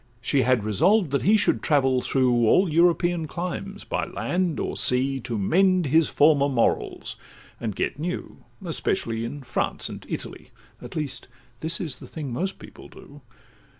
She had resolved that he should travel through All European climes, by land or sea, To mend his former morals, and get new, Especially in France and Italy (At least this is the thing most people do).